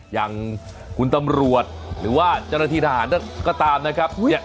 อย่างคุณตำรวจหรือว่าเจรถีทหารก็ตามนะครับอุ้ย